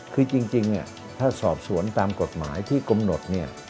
คือจริงถ้าสอบสวนตามกฎหมายที่กำหนด